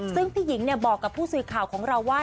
ซึ่งพี่หญิงบอกกับผู้สื่อข่าวของเราว่า